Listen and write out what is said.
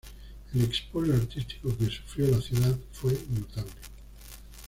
El expolio artístico que sufrió la ciudad fue notable.